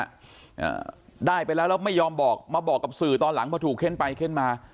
อ่าได้ไปแล้วแล้วไม่ยอมบอกมาบอกกับสื่อตอนหลังพอถูกเข้นไปเค้นมา